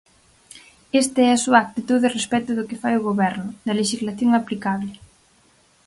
Esta é a súa actitude respecto do que fai o Goberno, da lexislación aplicable.